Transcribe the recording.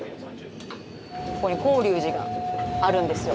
ここに広隆寺があるんですよ。